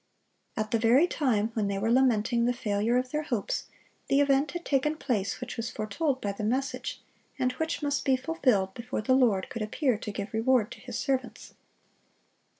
At the very time when they were lamenting the failure of their hopes, the event had taken place which was foretold by the message, and which must be fulfilled before the Lord could appear to give reward to His servants.